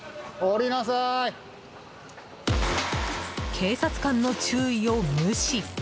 警察官の注意を無視。